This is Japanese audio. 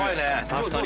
確かに。